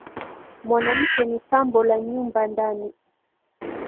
mwanamke ni pambo la nyumba ndani